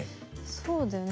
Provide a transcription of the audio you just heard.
そうだよね